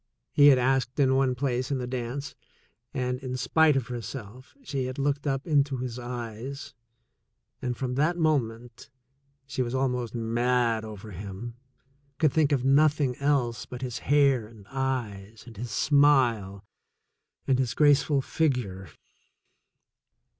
he had asked in one place in the dance, and, in spite of herself, she had looked up into his eyes, and from that moment she was almost mad over him, could think of nothing else but his hair and eyes and his smile and his graceful figure.